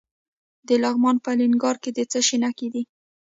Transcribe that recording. د لغمان په الینګار کې د څه شي نښې دي؟